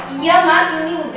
iya mas ini udah